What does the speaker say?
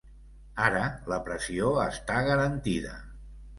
Ara la pressió està garantida.